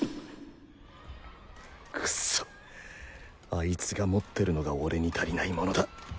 くっそあいつが持ってるのが俺に足りないものだ。